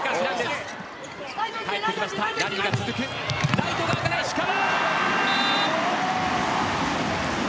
ライト側から石川！